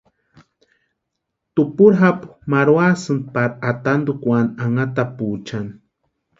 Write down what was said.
Tupuri japu marhuasïnti pari atantukwani anhatapuchani.